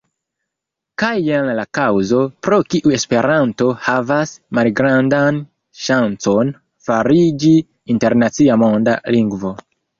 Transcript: Kaj jen la kaŭzo, pro kiu Esperanto havas malgrandan ŝancon fariĝi internacia monda lingvo.